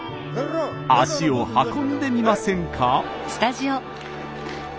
足を運んでみませんか？